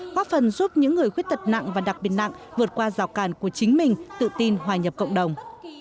góp phần giúp những người khuyết tật nặng và đặc biệt nặng vượt qua rào càn của chính mình tự tin hòa nhập cộng đồng